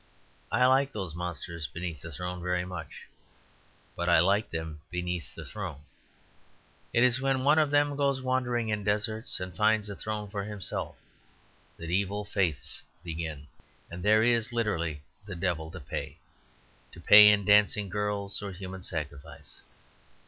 I like those monsters beneath the throne very much. But I like them beneath the throne. It is when one of them goes wandering in deserts and finds a throne for himself that evil faiths begin, and there is (literally) the devil to pay to pay in dancing girls or human sacrifice.